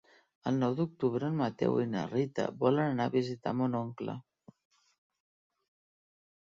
El nou d'octubre en Mateu i na Rita volen anar a visitar mon oncle.